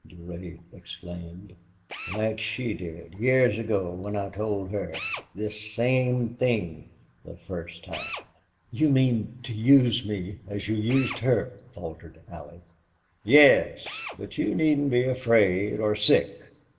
Durade exclaimed. "Like she did, years ago when I told her this same thing the first time!" "You mean to use me as you used her?" faltered Allie. "Yes. But you needn't be afraid or sick.